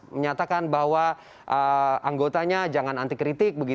menyatakan bahwa anggotanya jangan antikritik